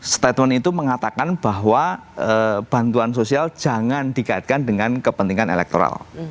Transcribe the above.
statement itu mengatakan bahwa bantuan sosial jangan dikaitkan dengan kepentingan elektoral